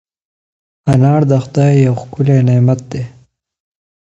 انار د خدای یو ښکلی نعمت دی.